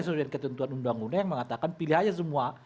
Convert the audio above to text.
sesuai dengan ketentuan undang undang yang mengatakan pilih aja semua